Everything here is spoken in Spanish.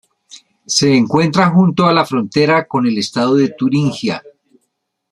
Se encuentra junto a la frontera con el estado de Turingia.